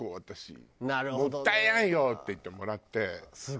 「もったいないよ！」って言ってもらって。